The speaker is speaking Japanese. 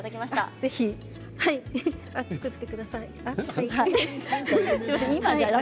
ぜひ作ってください。